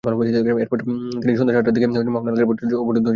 এরপর তিনি সন্ধ্যা সাতটার দিকে মাওনা এলাকায় পৌঁছালে অবরোধ তুলে নেওয়া হয়।